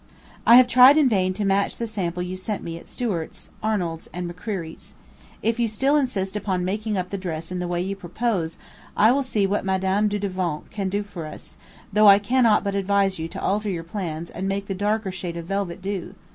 I have tried in vain to match the sample you sent me at Stewart's, Arnold's and McCreery's. If you still insist upon making up the dress in the way you propose, I will see what Madame Dudevant can do for us, though I cannot but advise you to alter your plans and make the darker shade of velvet do.